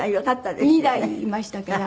２台いましたから。